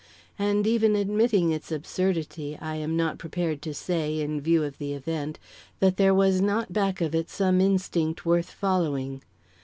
And even admitting its absurdity, I am not prepared to say, in view of the event, that there was not back of it some instinct worth following.